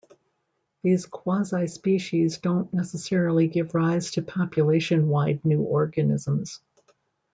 These "quasispecies" don't necessarily give rise to population wide new organisms.